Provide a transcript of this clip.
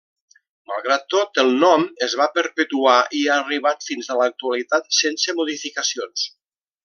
Malgrat tot, el nom es va perpetuar i ha arribat fins a l'actualitat sense modificacions.